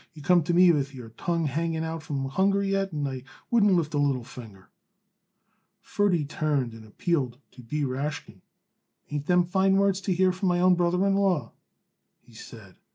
You could come to me with your tongue hanging out from hunger yet, and I wouldn't lift a little finger." Ferdy turned and appealed to B. Rashkin. "Ain't them fine words to hear from my own brother in law?" he said.